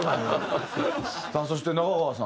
さあそして中川さん